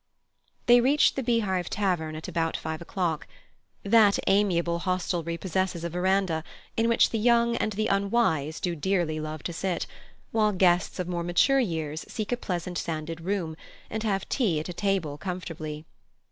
They reached the Beehive Tavern at about five o'clock. That amiable hostelry possesses a verandah, in which the young and the unwise do dearly love to sit, while guests of more mature years seek a pleasant sanded room, and have tea at a table comfortably.